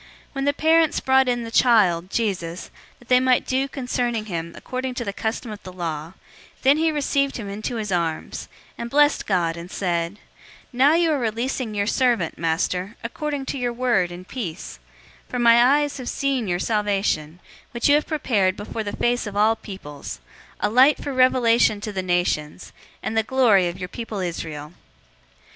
When the parents brought in the child, Jesus, that they might do concerning him according to the custom of the law, 002:028 then he received him into his arms, and blessed God, and said, 002:029 "Now you are releasing your servant, Master, according to your word, in peace; 002:030 for my eyes have seen your salvation, 002:031 which you have prepared before the face of all peoples; 002:032 a light for revelation to the nations, and the glory of your people Israel."